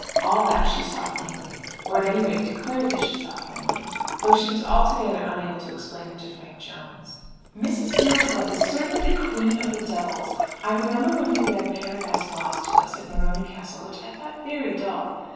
All that she saw plainly, or at any rate declared that she saw plainly, though she was altogether unable to explain it to Frank Jones. Mrs. Beelzebub is certainly the queen of the devils. I remember when you read "Paradise Lost" to us at Morony Castle, which I thought very dull.